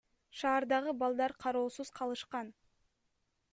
Шаардагы балдар кароосуз калышкан.